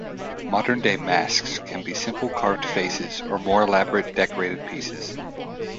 Modern day masks can be simple carved faces or more elaborate decorated pieces.